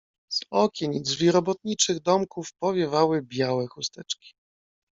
"Z okien i drzwi robotniczych domków powiewały białe chusteczki."